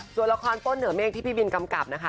ส่วนละครป้นเหนือเมฆที่พี่บินกำกับนะคะ